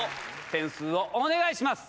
点数をお願いします。